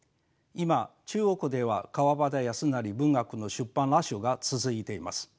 今中国では川端康成文学の出版ラッシュが続いています。